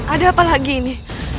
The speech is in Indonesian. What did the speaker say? ada apa lagi ini